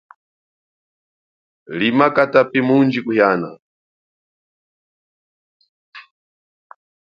Lima katapi mundji kuhiana.